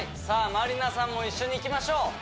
さあまりなさんも一緒にいきましょう！